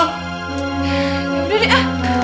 udah deh ah